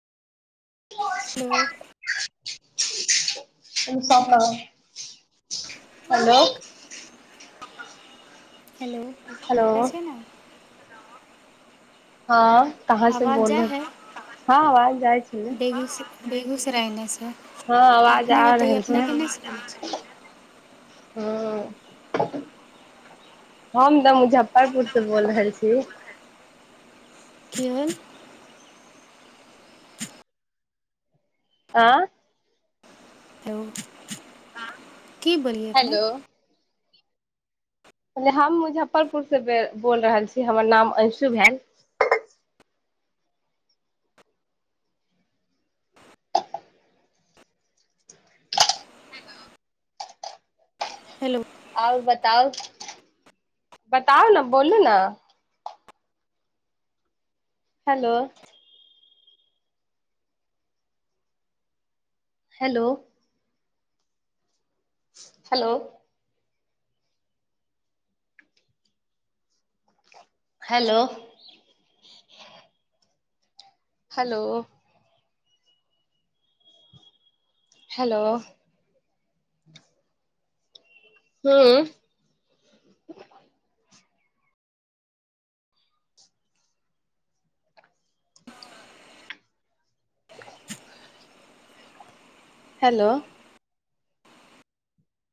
Hello [unintelligible] हलव hello hello कैसन है? हँ कहाँ से आवाज बोल, जाइ हइ हँ आवाज जाइ छेलय। बेगूसरायमेसँ आ आपने बतैयै रहल अपने केने हं हम तऽ मुजफ्फरपुर से बोल रहल छी। केल आँ हेलो की बोलियै अपने? ल हम मुजफ्फरपुर से बेल बोल रहल छी हमर नाम अंशु भेल हेलो आओर बताउ बताउ न बोलू न hello hello hello hello hello hello हँ [unintelligible] हेलो